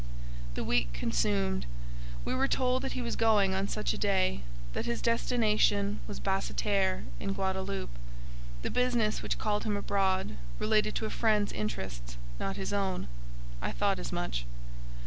The week consumed. We were told that he was going on such a day, that his destination was "Basseterre in Guadaloupe:" the business which called him abroad related to a friend's interests, not his own: I thought as much.